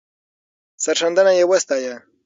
سرښندنه یې وستایه.